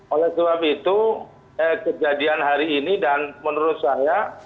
oleh sebab itu kejadian hari ini dan menurut saya